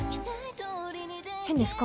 変ですか？